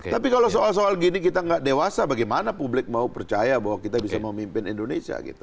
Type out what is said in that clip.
tapi kalau soal soal gini kita nggak dewasa bagaimana publik mau percaya bahwa kita bisa memimpin indonesia gitu